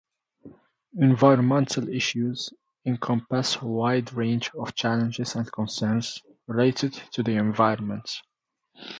Environmental issues encompass a wide range of challenges and concerns related to the environment.